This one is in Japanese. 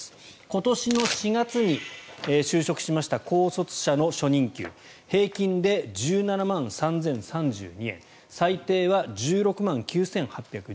今年の４月に就職しました高卒者の初任給平均で１７万３０３２円最低は１６万９８１５円。